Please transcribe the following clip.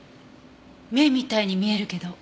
目みたいに見えるけど。